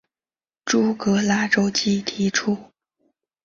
朱格拉周期提出。